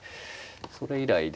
それ以来ですね